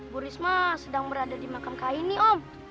bu risma sedang berada di makam kaini om